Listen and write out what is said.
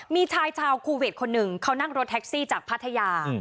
มีชายชาวคูเวทคนหนึ่งเขานั่งรถแท็กซี่จากพัทยา